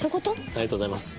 ありがとうございます。